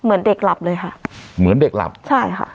เหมือนเด็กหลับเลยค่ะเหมือนเด็กหลับใช่ค่ะ